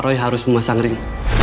roy harus memasang ring